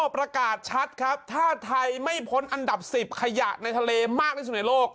ประกาศชัดครับถ้าไทยไม่พ้นอันดับ๑๐ขยะในทะเลมากที่สุดในโลก